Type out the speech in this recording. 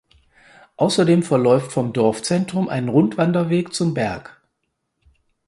Außerdem verläuft vom Dorfzentrum ein Rundwanderweg zum Berg.